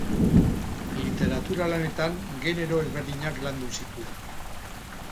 Literatura lanetan genero ezberdinak landu zituen.